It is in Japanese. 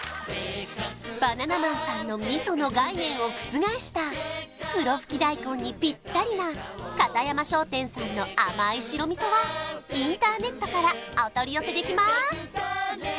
バナナマンさんの味噌の概念を覆したふろふき大根にぴったりな片山商店さんの甘い白味噌はインターネットからお取り寄せできます